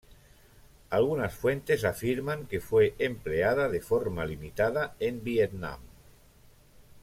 Algunas fuentes afirman que fue empleada de forma limitada en Vietnam.